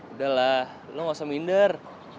udah lah lo gak usah minder